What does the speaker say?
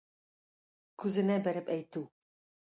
Күзенә бәреп әйтү.